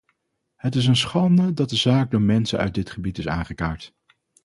Het is een schande dat de zaak door mensen uit dat gebied is aangekaart.